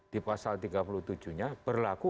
di pasal tiga puluh tujuh nya berlaku